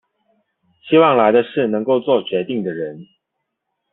希望來的是能夠作決定的人